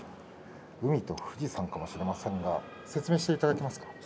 海と富士山かもしれませんが説明していただけますか？